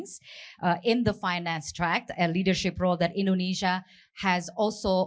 di dalam trak finansi dan peran pemimpinan yang juga indonesia telah mengambil